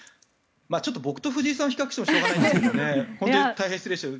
ちょっと僕と藤井さんを比較してもしょうがないかもしれないですけど本当に大変失礼しました。